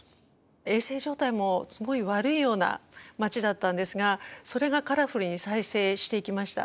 衛生状態もすごい悪いような街だったんですがそれがカラフルに再生していきました。